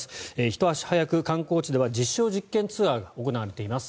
ひと足早く観光地では実証実験ツアーが行われています。